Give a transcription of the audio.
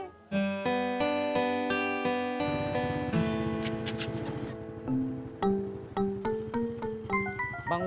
tidak ada yang mau